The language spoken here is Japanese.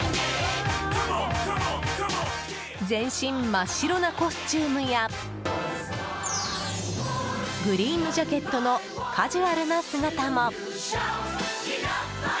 全身真っ白なコスチュームやグリーンのジャケットのカジュアルな姿も。